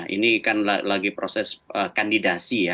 ini kan lagi proses kandidasi ya